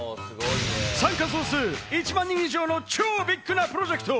参加総数１万人以上の超ビッグなプロジェクト。